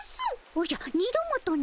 おじゃ２度もとな？